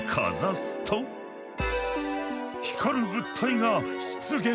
光る物体が出現！